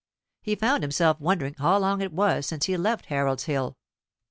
He found himself wondering how long it was since he left Harold's Hill.